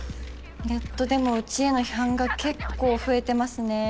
ネットでもうちへの批判が結構増えてますね。